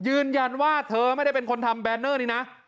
ยืนยันว่าเธอไม่ได้เป็นคนทำแรนเนอร์นี้นะ